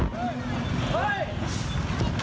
พิธีเบา